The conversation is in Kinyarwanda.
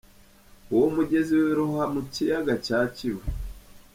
Uwo mugezi wiroha mu kiyaga cya Kivu.